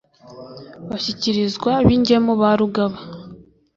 bashyikirizwa b'ingemu ba rugaba,